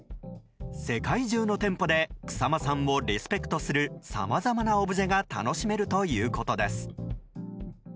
世界中の店舗で草間さんをリスペクトするさまざまなオブジェが楽しめるということです。